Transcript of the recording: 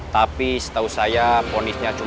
tapi setahu saya ponisnya cuma lima tahun